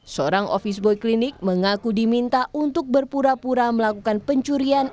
seorang ofis boy klinik mengaku diminta untuk berpura pura melakukan pencurian